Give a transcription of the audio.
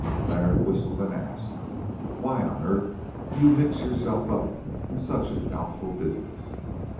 Leonard whistled and asked, "Why on earth do you mix yourself up in such a doubtful business?